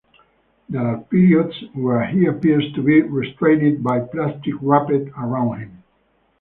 There are periods where he appears to be restrained by plastic wrapped around him.